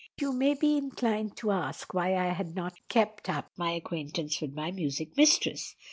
"You may be inclined to ask why I had not kept up my acquaintance with my music mistress.